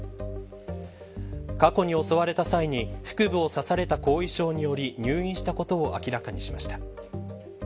過去に襲われた際に腹部を刺された後遺症により入院したことを明らかにしました。